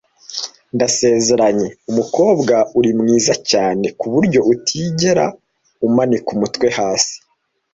Ndasezeranye UMUKOBWA, uri mwiza cyane kuburyo utigera umanika umutwe hasi.